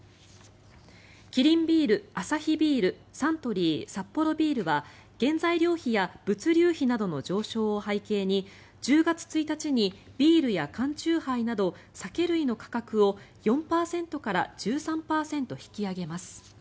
キリンビール、アサヒビールサントリー、サッポロビールは原材料費や物流費などの上昇を背景に１０月１日にビールや缶酎ハイなど酒類の価格を４％から１３％引き上げます。